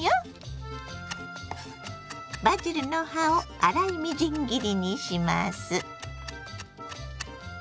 バジルの葉を粗いみじん切りにします。